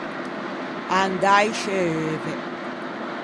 Andâ in scê euve.